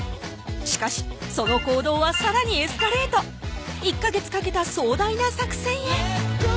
しかしその行動はさらにエスカレート１カ月かけた壮大な作戦へ